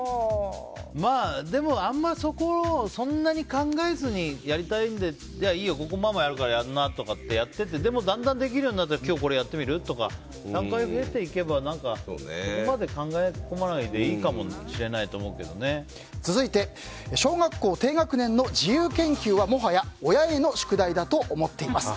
でも、あんまりそこをそんなに考えずにやりたいならいいよ、ここママやるからやりなとかって、やっててでも、だんだんできるようになったら今日これやってみる？とか段階を経てやればそこまで考え込まないで続いて小学校低学年の自由研究はもはや親への宿題だと思っています。